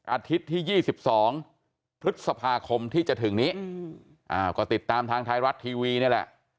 อาทิตย์ที่๒๒พฤษภาคมที่จะถึงนี้ก็ติดตามทางไทยรัฐทีวีนี่แหละ